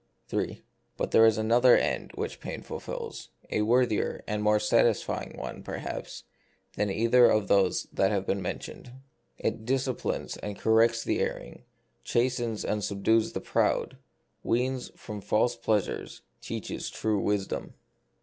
3. But there is another end which pain fulfils, a worthier and more satisfying one, perhaps, than either of those that have been mentioned. It disciplines and corrects the erring, chastens and subdues the proud, weans from false plea sures, teaches true wisdom. The Mystery of Pain.